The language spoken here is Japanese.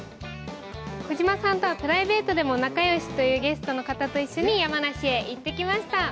児嶋さんとはプライベートでも仲良しというゲストの方と一緒に山梨へ行ってきました。